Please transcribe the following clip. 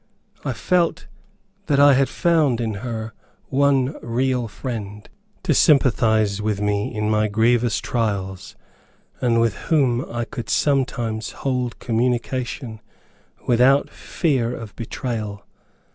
I felt that I had found in her one real friend, to sympathize with me in my grievous trials, and with whom I could sometimes hold communication without fear of betrayal.